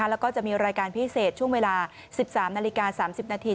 แล้วก็จะมีรายการพิเศษช่วงเวลา๑๓นาฬิกา๓๐นาที